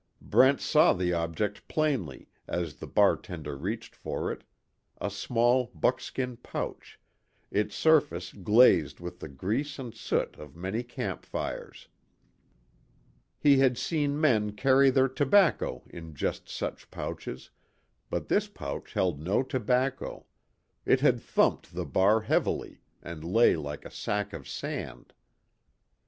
Brent saw the object plainly as the bartender reached for it, a small buckskin pouch, its surface glazed with the grease and soot of many campfires. He had seen men carry their tobacco in just such pouches, but this pouch held no tobacco, it had thumped the bar heavily and lay like a sack of sand.